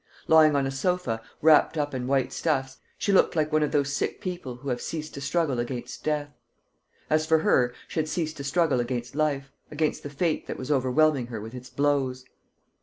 Lying on a sofa, wrapped up in white stuffs, she looked like one of those sick people who have ceased to struggle against death. As for her, she had ceased to struggle against life, against the fate that was overwhelming her with its blows.